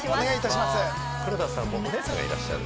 黒田さん、お姉さんがいらっしゃる？